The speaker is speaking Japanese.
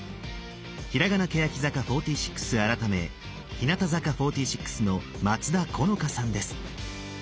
ひらがなけやき坂４６改め日向坂４６の松田好花さんです。